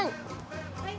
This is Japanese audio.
はい。